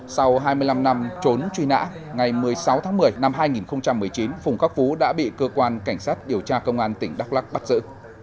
sau hai mươi năm năm trốn truy nã ngày một mươi sáu tháng một mươi năm hai nghìn một mươi chín phùng khắc phú đã bị cơ quan cảnh sát điều tra công an tỉnh đắk lắc bắt giữ